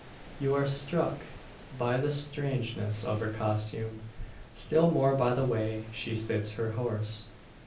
You are struck by the strangeness of her costume still more by the way she sits her horse.